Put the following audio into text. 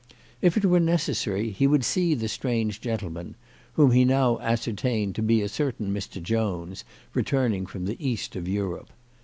If it were necessary, he would see the strange gentleman, whom he now ascertained to be a certain Mr. Jones returning from the east of Europe.